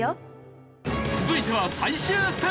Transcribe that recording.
続いては最終戦！